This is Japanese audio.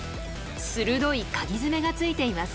鋭いかぎ爪がついています。